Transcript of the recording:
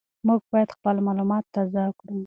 موږ باید خپل معلومات تازه کړو.